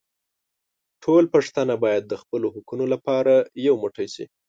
ټول پښتانه بايد د خپلو حقونو لپاره يو موټي شي.